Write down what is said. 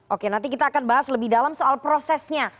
oke nanti kita akan bahas lebih dalam soal prosesnya